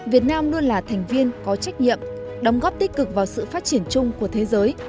việt nam luôn là thành viên có trách nhiệm đóng góp tích cực vào sự phát triển chung của thế giới